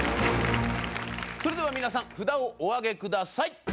それでは皆さん札をお上げください。